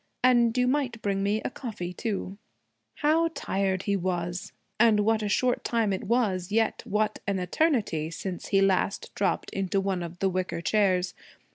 And you might bring me a coffee, too.' How tired he was! And what a short time it was, yet what an eternity, since he last dropped into one of the wicker chairs!